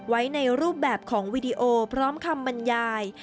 ไว้ในรูปแบบของวีดีโอพร้อมคำบรรยาย